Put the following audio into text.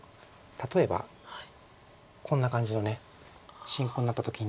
例えばこんな感じの進行になった時に。